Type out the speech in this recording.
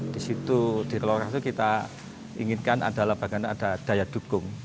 di situ di kelola kawasan itu kita inginkan ada labangan ada daya dukung